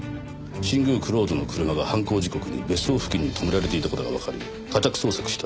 新宮蔵人の車が犯行時刻に別荘付近に止められていた事がわかり家宅捜索したところ。